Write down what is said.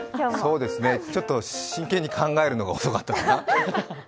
そうですね、ちょっと真剣に考えるのが遅かったかな。